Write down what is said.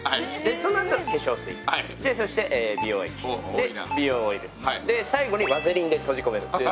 そのあと、化粧水、そして美容液、美容オイル。最後にワセリンで閉じ込めるという。